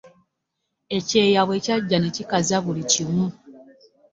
Ekyeya bwe kyajja ne kikaza buli kimu.